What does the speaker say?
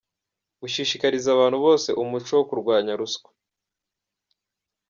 Gushishikariza abantu bose umuco wo kurwanya ruswa ;